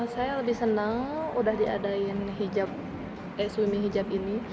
saya lebih senang sudah diadakan suami hijab ini